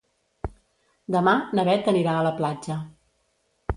Demà na Bet anirà a la platja.